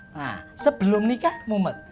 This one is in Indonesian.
nah sebelum nikah mumet